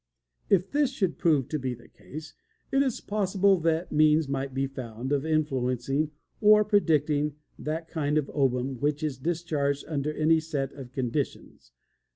If this should prove to be the case, it is possible that means might be found of influencing or predicting that kind of ovum which is discharged under any set of conditions.